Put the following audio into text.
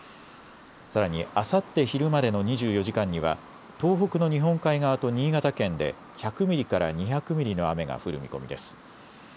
さらに、あさって昼までの２４時間には東北の日本海側と新潟県で１００ミリから２００ミリの雨が降る見込みです。